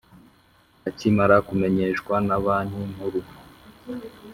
Akimara kumenyeshwa na Banki Nkuru